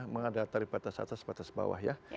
mengadakan tarif batas atas batas bawah ya